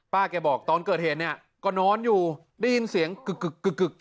แกบอกตอนเกิดเหตุเนี่ยก็นอนอยู่ได้ยินเสียงกึกกึก